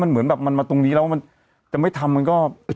มันเหมือนแบบมันมาตรงนี้แล้วมันจะไม่ทำมันก็